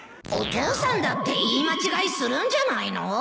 お父さんだって言い間違いするんじゃないの？